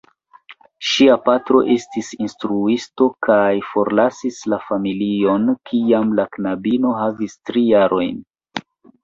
Ŝia patro estis instruisto, kaj forlasis la familion, kiam la knabino havis tri jarojn.